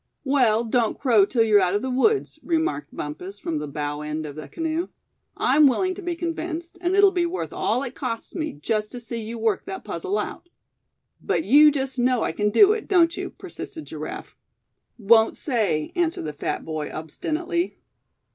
"Well, don't crow till you're out of the woods," remarked Bumpus, from the bow end of the canoe. "I'm willing to be convinced; and it'll be worth all it costs me just to see you work that puzzle out." "But you just know I c'n do it, don't you?" persisted Giraffe. "Won't say," answered the fat boy, obstinately.